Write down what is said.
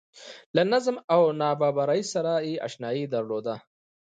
له نظم او نابرابرۍ سره اشنايي درلوده